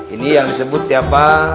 ini yang disebut siapa